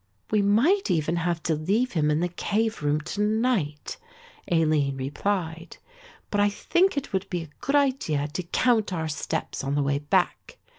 "We might even have to leave him in the cave room to night," Aline replied, "but I think it would be a good idea to count our steps on the way back.